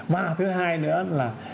và thứ hai nữa là